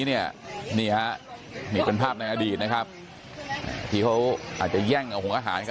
นี่ครับเป็นภาพในอดีตที่เขาอาจจะแย่งของอาหารกัน